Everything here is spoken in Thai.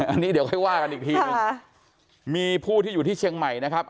อันนี้เดี๋ยวค่อยว่ากันอีกทีหนึ่งมีผู้ที่อยู่ที่เชียงใหม่นะครับ